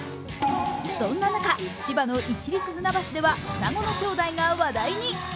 そんな中、千葉の市立船橋では双子の兄弟が話題に。